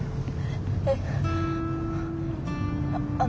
えっ。